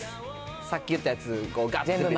さっき言ったやつ、がーっと。